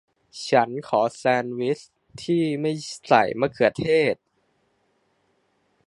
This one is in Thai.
ฉันขอแซนด์วิชที่ไม่ใส่มะเขือเทศ